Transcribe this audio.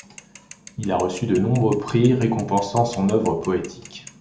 Il a reçu de nombreux prix récompensant son œuvre poétique.